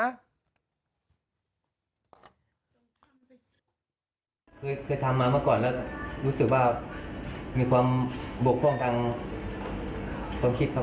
อีกแนวเขาทำมันมาก่อนแล้วรู้สึกว่ามีความบกพ่องทางความคิดครับผม